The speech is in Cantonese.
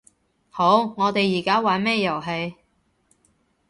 好，我哋而家玩咩遊戲